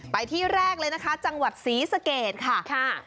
ไปที่แรกเลยนะคะจังหวัดศรีสะเกดค่ะ